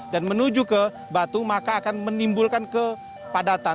dan menuju ke batu maka akan menimbulkan kepadatan